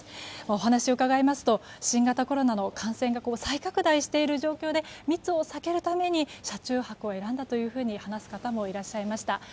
お話を伺いますと新型コロナの感染が再拡大している状況で密を避けるために車中泊を選んだというふうに話す方もいらっしゃいました。